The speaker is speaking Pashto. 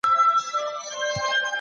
حرام کړي جنتونه